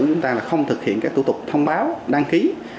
chúng ta là không thực hiện các tủ tục thông báo đăng ký